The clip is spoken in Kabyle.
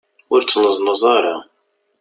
Ur ttneẓnuẓ ara.